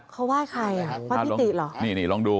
เขาไหว้ใครว่าพี่ตีหรอนี่ลองดู